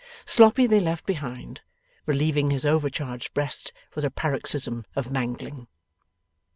Sloppy they left behind, relieving his overcharged breast with a paroxysm of mangling.